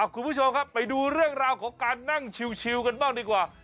คุณผู้ชมครับไปดูเรื่องราวของการนั่งชิวกันบ้างดีกว่า